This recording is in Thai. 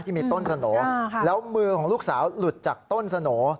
ที่มีต้นสโนแล้วมือของลูกสาวหลุดจากต้นสโหน่